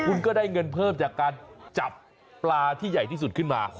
คุณก็ได้เงินเพิ่มจากการจับปลาที่ใหญ่ที่สุดขึ้นมา